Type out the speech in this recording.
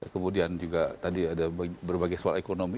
kemudian juga tadi ada berbagai soal ekonomi